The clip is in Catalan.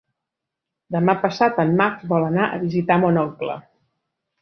Demà passat en Max vol anar a visitar mon oncle.